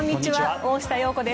大下容子です。